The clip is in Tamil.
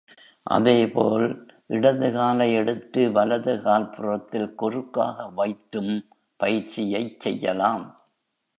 அதேபோல், இடது காலை எடுத்து வலது கால் புறத்தில் குறுக்காக வைத்தும், பயிற்சியைச் செய்யலாம்.